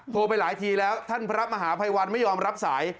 ไปหลายทีแล้วท่านพระมหาภัยวันไม่ยอมรับสาย